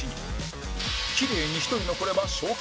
キレイに１人残れば賞金